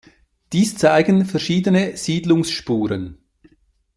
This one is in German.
Dies zeigen verschiedene Siedlungsspuren.